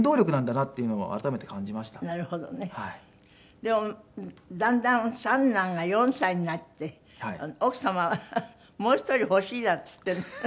でもだんだん三男が４歳になって奥様は「もう一人欲しい」なんて言って。